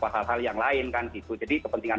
hal hal yang lain jadi kepentingan